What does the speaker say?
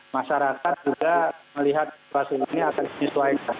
masyarakat juga melihat situasi ini akan disesuaikan